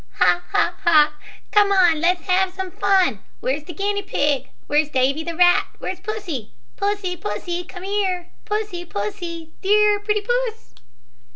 "Ha, ha, ha come on, let's have some fun. Where's the guinea pig? Where's Davy, the rat? Where's pussy? Pussy, pussy, come here. Pussy, pussy, dear, pretty puss."